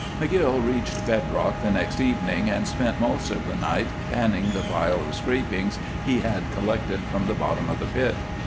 McGill reached bed rock the next evening and spent most of the night panning the pile of scrapings he had collected from the bottom of the pit.